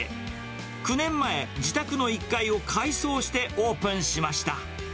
９年前、自宅の１階を改装してオープンしました。